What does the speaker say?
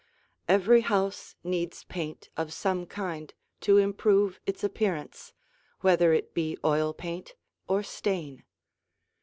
Every house needs paint of some kind to improve its appearance, whether it be oil paint or stain.